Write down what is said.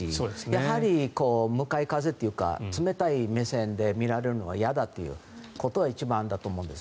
やはり向かい風というか冷たい目線で見られるのは嫌だということが一番だと思うんです。